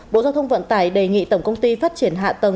bộ giao thông vận tải đề nghị tổng công ty phát triển hạ tầng